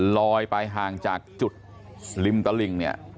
ลอยไปห่างจากจุดริมตลิ่งเนี่ย